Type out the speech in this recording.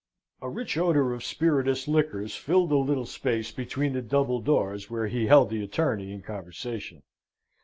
A rich odour of spirituous liquors filled the little space between the double doors where he held the attorney in conversation.